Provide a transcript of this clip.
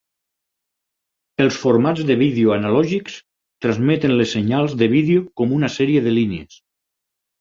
Els formats de vídeo analògics transmeten les senyals de vídeo com una sèrie de "línies".